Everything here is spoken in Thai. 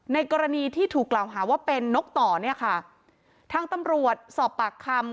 กรณีที่ถูกกล่าวหาว่าเป็นนกต่อเนี่ยค่ะทางตำรวจสอบปากคำ